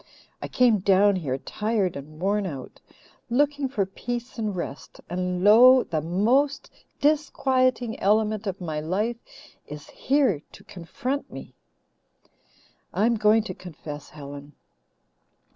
I came down here tired and worn out, looking for peace and rest and lo! the most disquieting element of my life is here to confront me. "I'm going to confess, Helen.